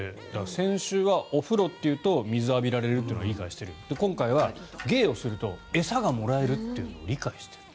先週はお風呂って言うと水を浴びられるって理解している今回は芸をすると餌がもらえるというのを理解している。